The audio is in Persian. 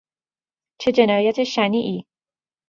چه جنایت شنیعی!